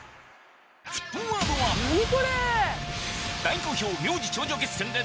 『沸騰ワード』は今日。